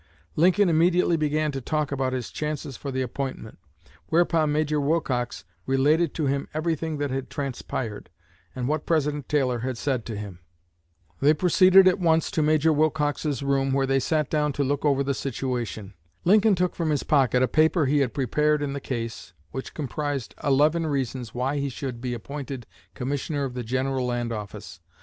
Lincoln immediately began to talk about his chances for the appointment; whereupon Major Wilcox related to him everything that had transpired, and what President Taylor had said to him. They proceeded at once to Major Wilcox's room, where they sat down to look over the situation. Lincoln took from his pocket a paper he had prepared in the case, which comprised eleven reasons why he should be appointed Commissioner of the General Land Office.